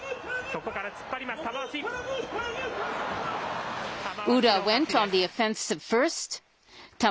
そこから突っ張ります、玉鷲。